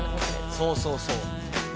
そうそうそう。